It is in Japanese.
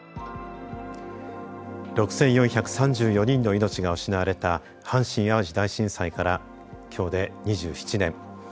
６４３４人の命が失われた阪神・淡路大震災からきょうで２７年。